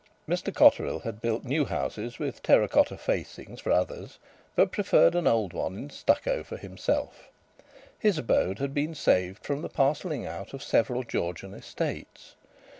Mr Cotterill built new houses with terra cotta facings for others, but preferred an old one in stucco for himself. His abode had been saved from the parcelling out of several Georgian estates.